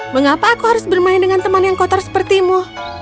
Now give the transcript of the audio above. mengapa aku harus bermain dengan teman yang kotor sepertimu